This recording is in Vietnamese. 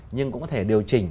nhưng cũng có thể điều chỉnh